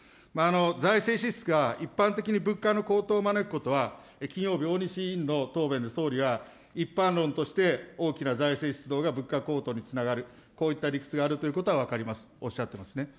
財政支出が一般的に物価の高騰を招くことは、金曜日、大西委員の答弁で総理は一般論として、大きな財政出動が、物価高騰につながる、こういった理屈があるということは分かります、おっしゃってますね。